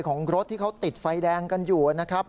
ของรถที่เขาติดไฟแดงกันอยู่นะครับ